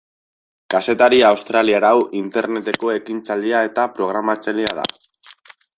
Kazetari australiar hau Interneteko ekintzailea eta programatzailea da.